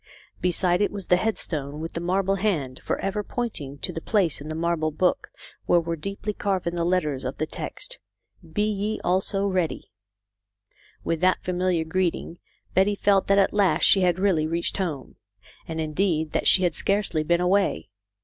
Beside it was the headstone with the marble hand for ever pointing to the place in the marble book where were deeply carven the letters of the text, " Be ye also ready.''' With that familiar greeting Betty felt that at last she had really reached home, and indeed that she had scarcely been away.